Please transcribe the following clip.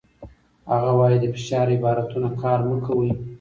هغه وايي، د فشار عبارتونه کار مه کوئ.